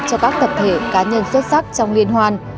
cho các tập thể cá nhân xuất sắc trong liên hoan